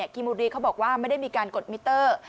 คิมบุรีเขาบอกว่าไม่ได้มีการกดมิเตอร์